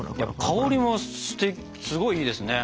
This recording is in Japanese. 香りもすごいいいですね。